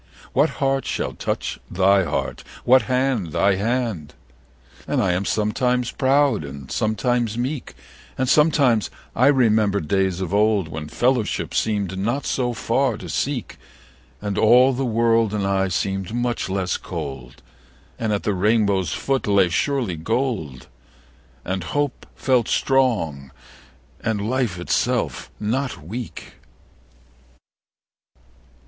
What heart shall touch thy heart? what hand thy hand? And I am sometimes proud and sometimes meek, And sometimes I remember days of old When fellowship seemed not so far to seek And all the world and I seemed much less cold, And at the rainbow's foot lay surely gold, And hope felt strong and life itself not weak.